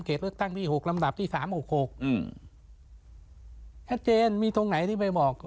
เลือกตั้งที่หกลำดับที่สามหกหกอืมชัดเจนมีตรงไหนที่ไปบอก